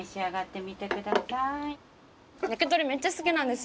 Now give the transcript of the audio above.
めっちゃ好きなんですよ